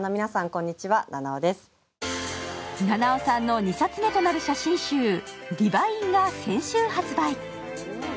菜々緒さんの２冊目となる写真集「ＤＩＶＩＮＥ」が先週発売。